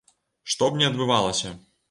Што б не адбывалася.